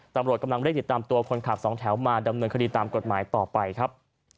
ตำรวจกำลังเร่งติดตามตัวคนขับสองแถวมาดำเนินคดีตามกฎหมายต่อไปครับ